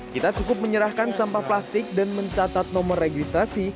kita cukup menyerahkan sampah plastik dan mencatat nomor registrasi